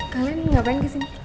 kalian nih ngapain kesini